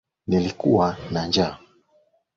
Nilikuwa na njaa.